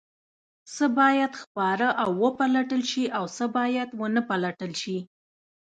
څه باید خپاره او وپلټل شي او څه باید ونه پلټل شي؟